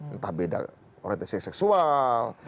entah beda orientasi seksual